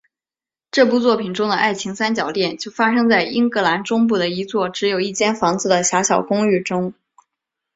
这部作品中的爱情三角恋就发生在英格兰中部的一座只有一间房子的狭小公寓中。